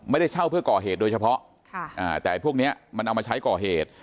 ไม่ได้เช่าเพื่อก่อเหตุโดยเฉพาะแต่พวกนี้มันเอามาใช้ก่อเหตุ